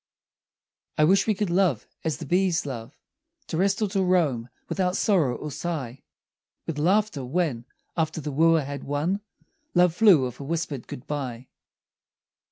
I wish we could love as the bees love, To rest or to roam without sorrow or sigh; With laughter, when, after the wooer had won, Love flew with a whispered good bye.